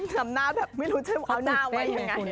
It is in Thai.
ทำหน้าแบบไม่รู้จะเอาหน้าไว้ยังไง